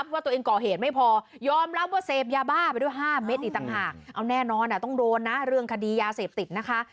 เพราะคุณน่ะต้องโดรนเรื่องคดียาเสพติดนะคะ